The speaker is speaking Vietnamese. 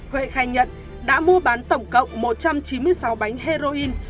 huệ khai nhận đã mua bán tổng cộng một trăm chín mươi sáu bánh heroin